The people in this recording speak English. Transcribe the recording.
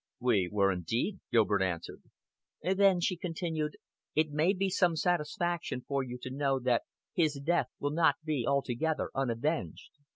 "We were indeed," Gilbert answered. "Then," she continued, "it may be some satisfaction for you to know that his death will not be altogether unavenged.